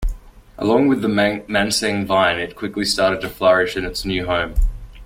Along with the Manseng vine it quickly started to flourish in its new home.